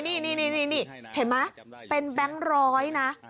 นี่นี่นี่นี่นี่เห็นไหมเป็นแบงค์ร้อยนะ